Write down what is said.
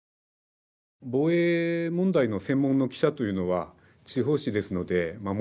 防衛問題の専門の記者というのは地方紙ですのでもちろんいません。